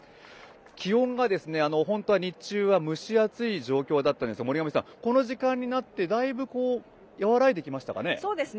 気温が日中は蒸し暑い状態でしたが森上さん、この時間になってだいぶ和らいできましたかね。